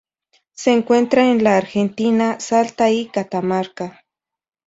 Se encuentra en la Argentina: Salta y Catamarca.